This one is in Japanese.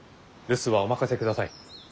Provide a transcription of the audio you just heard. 留守はお任せください。